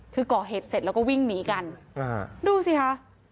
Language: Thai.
คือก่อเหตุเสร็จแล้วก็วิ่งหนีกันดูสิคะ